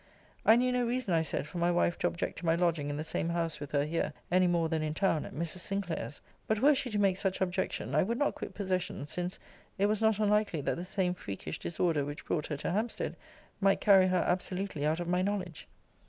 I knew no reason, I said, for my wife to object to my lodging in the same house with her here, any more than in town, at Mrs. Sinclair's. But were she to make such objection, I would not quit possession since it was not unlikely that the same freakish disorder which brought her to Hampstead, might carry her absolutely out of my knowledge.